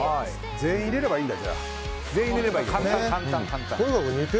全員入れればいいんだ、